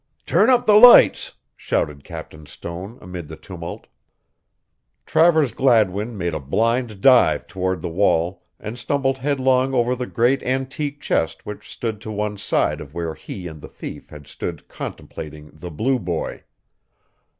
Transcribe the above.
"Turn up the lights," shouted Captain Stone, amid the tumult. Travers Gladwin made a blind dive toward the wall and stumbled headlong over the great antique chest which stood to one side of where he and the thief had stood contemplating "The Blue Boy."